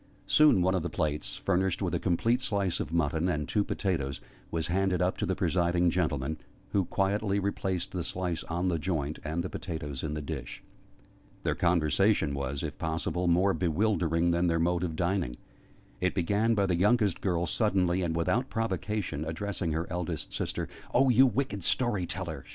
Soon one of the plates, furnished with a complete slice of mutton and two potatoes, was handed up to the presiding gentleman, who quietly replaced the slice on the joint, and the potatoes in the dish. Their conversation was, if possible, more bewildering than their mode of dining. It began by the youngest girl suddenly, and without provocation, addressing her eldest sister. "Oh, you wicked story teller!"